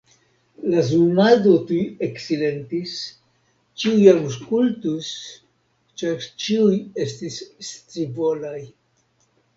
La zumado tuj eksilentis; ĉiuj aŭskultis, ĉar ĉiuj estis scivolaj.